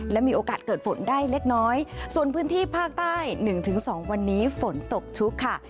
และมีโอกาสเกิดฝนได้เล็กน้อยส่วนพื้นที่ภาคใต้๑๒วันนี้ฝนตกชุกค่ะ